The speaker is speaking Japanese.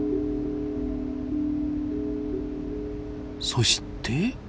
そして。